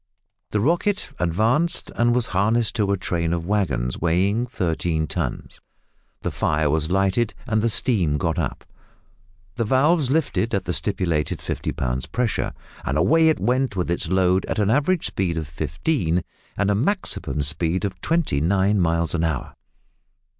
The "Rocket" advanced, and was harnessed to a train of waggons weighing thirteen tons; the fire was lighted, and the steam got up. The valves lifted at the stipulated fifty pounds pressure, and away it went with its load at an average speed of fifteen, and a maximum speed of twenty nine miles an hour!